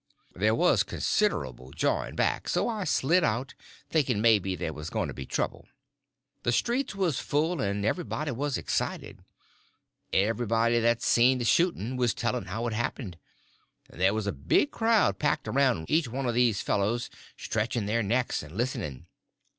There was considerable jawing back, so I slid out, thinking maybe there was going to be trouble. The streets was full, and everybody was excited. Everybody that seen the shooting was telling how it happened, and there was a big crowd packed around each one of these fellows, stretching their necks and listening.